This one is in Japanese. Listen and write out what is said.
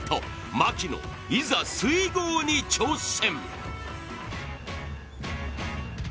槙野、いざ水濠に挑戦！